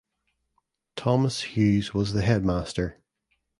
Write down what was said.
Thomas Hughes was the headmaster.